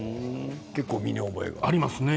結構、身に覚えが？ありますね。